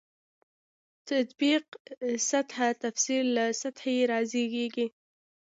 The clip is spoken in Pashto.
تطبیق سطح تفسیر له سطحې رازېږي.